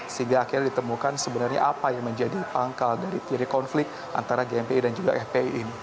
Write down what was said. sehingga akhirnya ditemukan sebenarnya apa yang menjadi pangkal dari ciri konflik antara gmi dan juga fpi ini